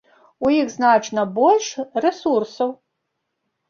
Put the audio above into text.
У іх значна больш рэсурсаў.